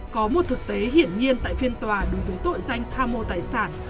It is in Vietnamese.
có một thực tế hiển nhiên tại phiên tòa đối với tội danh tham mô tài sản